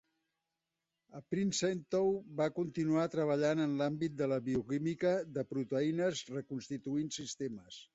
A Princeton, va continuar treballant en l'àmbit de la bioquímica de proteïnes, reconstituint sistemes.